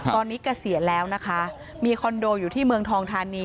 ตอนนี้เกษียณแล้วนะคะมีคอนโดอยู่ที่เมืองทองทานี